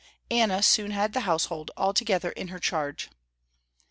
Anna soon had the household altogether in her charge.